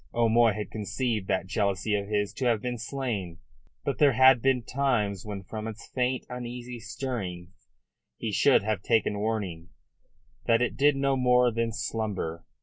O'Moy had conceived that jealousy of his to have been slain. But there had been times when from its faint, uneasy stirrings he should have taken warning that it did no more than slumber.